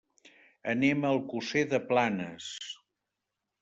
Anem a Alcosser de Planes.